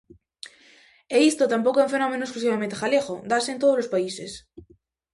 E isto tampouco é un fenómeno exclusivamente galego, dáse en todos os países.